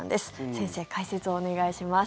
先生、解説をお願いします。